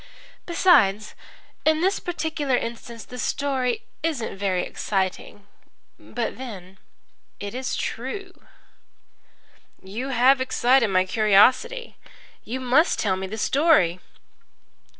Besides, in this particular instance the story isn't very exciting. But then it's true." "You have excited my curiosity. You must tell me the story."